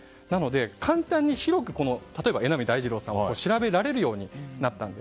なので、簡単に榎並大二郎さんを調べられるようになったんです。